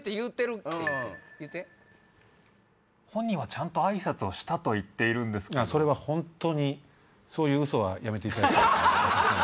・本人は「ちゃんと挨拶をした」と言っているんですけど・本当にそういうウソはやめていただきたいです。